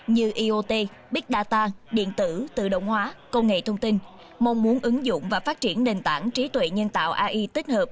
như iot big data điện tử tự động hóa công nghệ thông tin mong muốn ứng dụng và phát triển nền tảng trí tuệ nhân tạo ai tích hợp